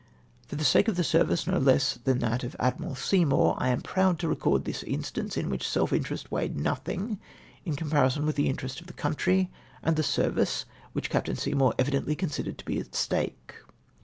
For the sake of the service no less than for that of Admiral Seymour, I am proud to record this instance in which seh interest weighed nothing in comparison with the interest of the country, and the service which Captain Seymour evidently considered to be at stake.